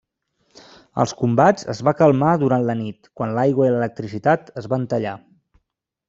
Els combats es va calmar durant la nit, quan l'aigua i l'electricitat es van tallar.